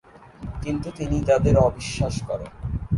কিন্তু তিনি তাদের অবিশ্বাস করেন।